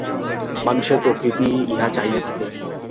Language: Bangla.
মানুষের প্রকৃতিই ইহা চাহিয়া থাকে।